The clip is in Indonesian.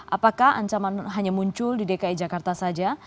apakah ancaman hanya muncul di dki jakarta saja